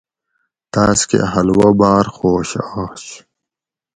تاۤس کہۤ حلوہ باۤر خوش آش